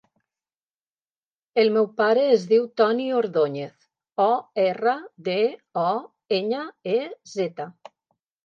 El meu pare es diu Toni Ordoñez: o, erra, de, o, enya, e, zeta.